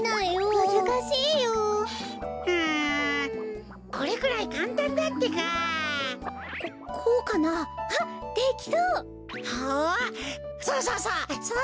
おおそうそうそう！